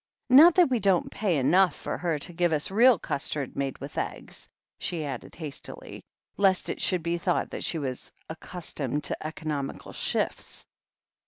"Not that we don't pay enough for her to give us real custard made with eggs," she added hastily, lest it should be thought that she was accustomed to economi cal shifts.